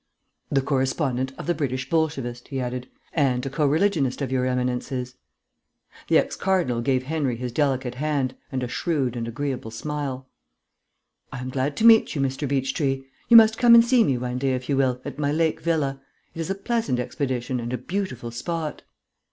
"The correspondent of the British Bolshevist," he added, "and a co religionist of Your Eminence's." The ex cardinal gave Henry his delicate hand, and a shrewd and agreeable smile. "I am glad to meet you, Mr. Beechtree. You must come and see me one day, if you will, at my lake villa. It is a pleasant expedition, and a beautiful spot."